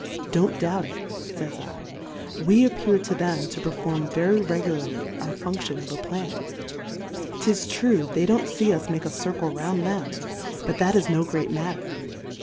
Don't doubt it, fays 7, we appear to them to perform very re gularly our Function of a Planet : 'Tis true, they don't fee us make a Circle round them, but that is no great mat ter.